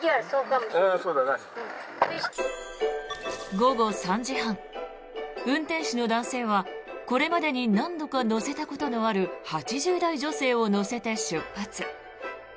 午後３時半運転手の男性はこれまでに何度か乗せたことのある８０代女性を乗せて出発。